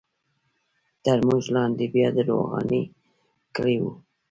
تر موږ لاندې بیا د روغاني کلی وو.